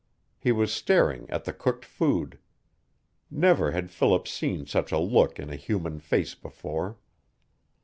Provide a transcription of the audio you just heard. He was staring at the cooked food. Never had Philip seen such a look in a human face before.